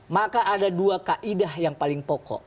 maka ada dua kaidah yang paling pokok